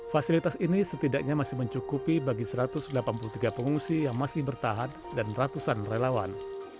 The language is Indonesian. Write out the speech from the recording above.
fasilitas ini setidaknya masih mencukupi bagi satu ratus delapan puluh tiga pengungsi yang masih bertahan dan ratusan relawan